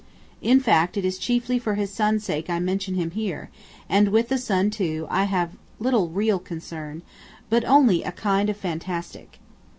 In fact it is chiefly for his son's sake I mention him here; and with the son, too, I have little real concern, but only a kind of fantastic.